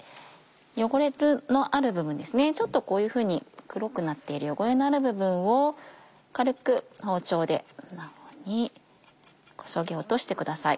汚れのある部分ちょっとこういう風に黒くなっている汚れのある部分を軽く包丁でこそぎ落としてください。